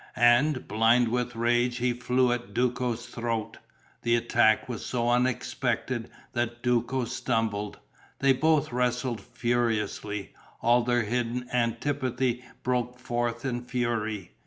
And, blind with rage, he flew at Duco's throat. The attack was so unexpected that Duco stumbled. They both wrestled furiously. All their hidden antipathy broke forth in fury.